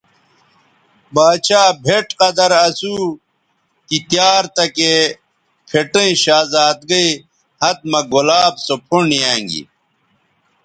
باڇھا بھئٹ قدر اسو تی تیار تکے پھٹیئں شہزادگئ ھت مہ گلاب سو پھنڈ یانگی